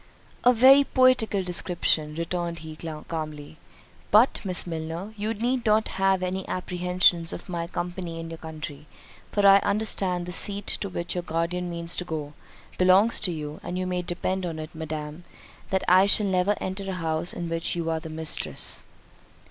"A very poetical description," returned he calmly. "But, Miss Milner, you need not have had any apprehensions of my company in the country, for I understand the seat to which your guardian means to go, belongs to you; and you may depend upon it, Madam, that I shall never enter a house in which you are the mistress."